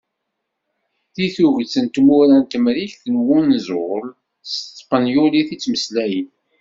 Deg tuget n tmura n Temrikt n Wenẓul s tespenyult i ttmeslayen.